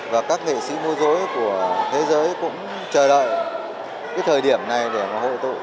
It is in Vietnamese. và các nghệ sĩ mô dối của thế giới cũng chờ đợi cái thời điểm này để mà hội tụ